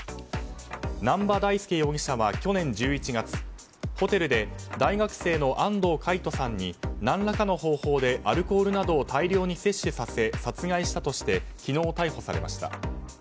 南波大祐容疑者は去年１１月ホテルで大学生の安藤魅人さんに何らかの方法でアルコールなどを大量に摂取させ殺害したとして昨日、逮捕されました。